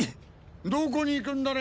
どこに行くんだね？